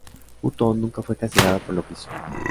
Hutton nunca fue castigado por lo que hizo.